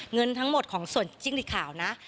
เงินทั้งหมดของส่วนจิ้งหลีกขาวนะ